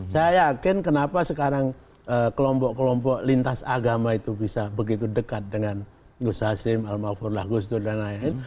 saya yakin kenapa sekarang kelompok kelompok lintas agama itu bisa begitu dekat dengan gus hasim al mafurullah gus dur dan lain lain